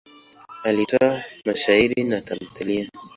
Alitoa mashairi na tamthiliya.